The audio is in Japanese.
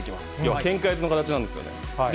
けんか四つの形なんですね。